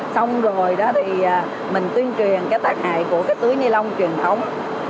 xong rồi đó thì mình tuyên truyền cái tác hại của cái túi ni lông truyền thống